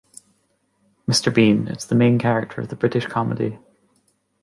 Mr. Bean it’s the main character of the British comedy.